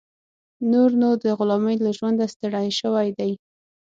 نور نو د غلامۍ له ژونده ستړی شوی دی.